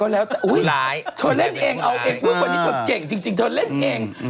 เธอเล่นเองเอาเอกเว้ยว่านี้เธอเก่งจริงเธอเล่นเอง